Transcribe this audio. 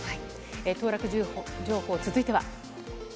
当落情報、続いては。